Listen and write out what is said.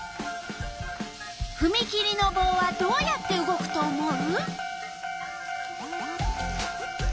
ふみ切りのぼうはどうやって動くと思う？